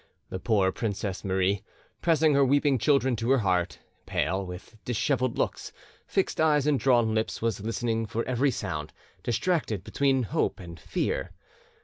The poor Princess Marie, pressing her weeping children to her heart, pale, with dishevelled locks, fixed eyes, and drawn lips, was listening for every sound, distracted between hope and fear.